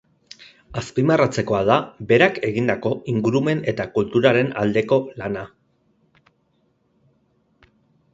Azpimarratzekoa da berak egindako ingurumen eta kulturaren aldeko lana.